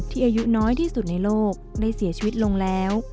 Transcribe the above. อายุน้อยที่สุดในโลกได้เสียชีวิตลงแล้ว